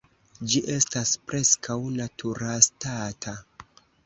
Ĝi estas preskaŭ naturastata.